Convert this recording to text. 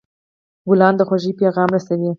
ګلان د خوښۍ پیغام رسوي.